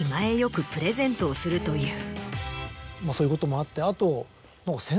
そういうこともあってあと。